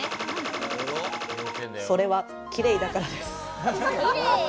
それは綺麗だからです。